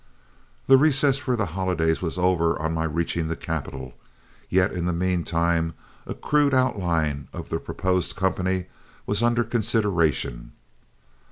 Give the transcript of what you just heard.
The recess for the holidays was over on my reaching the capital, yet in the mean time a crude outline of the proposed company was under consideration.